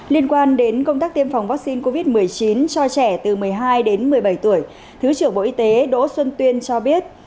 liên quan đến công tác tiêm phòng vaccine covid một mươi chín cho trẻ từ một mươi hai đến một mươi bảy tuổi thứ trưởng bộ y tế đỗ xuân tuyên cho biết